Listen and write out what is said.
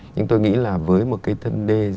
nhưng tôi nghĩ là với một cái thân đê